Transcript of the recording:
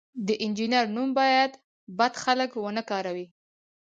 د انجینر نوم باید بد خلک ونه کاروي.